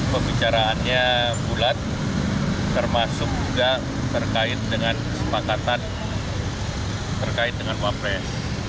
pembicaraannya bulat termasuk juga terkait dengan kesepakatan terkait dengan wapres